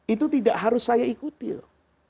itu tidak harus saya ikuti loh